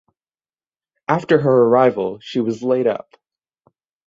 After her arrival she was laid up.